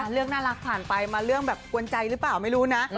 เรื่องน่ารักผ่านไปมาเรื่องแบบกวนใจหรือเปล่าไม่รู้นะ